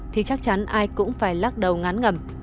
thì chắc chắn ai cũng phải lắc đầu ngán ngầm